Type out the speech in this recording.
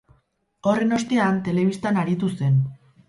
Horren ostean, telebistan aritu zen.